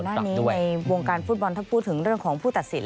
หน้านี้ในวงการฟุตบอลถ้าพูดถึงเรื่องของผู้ตัดสิน